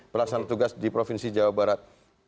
pelaksana tugas di provinsi jawa barat